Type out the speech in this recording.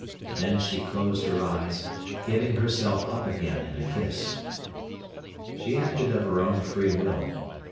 Then she closed her eyes, giving herself up again in a kiss. She acted of her own free will.